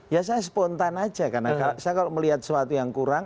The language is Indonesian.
ya saya spontan aja karena saya kalau melihat sesuatu yang kurang